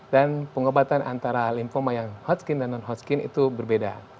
dan pengobatan antara lymphoma yang hot skin dan non hot skin itu berbeda